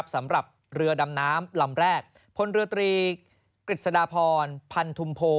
สำหรับเรือดำน้ำลำแรกพลเรือตรีกฤษฎาพรพันธุมโพ